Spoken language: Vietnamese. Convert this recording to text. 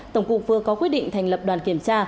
tổng cục vừa có quyết định thành lập đoàn kiểm tra